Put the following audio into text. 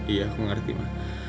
iya aku ngerti ma